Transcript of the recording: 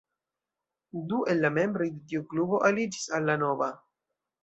Du el la membroj de tiu klubo aliĝis al la nova.